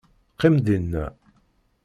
Qqim dinna.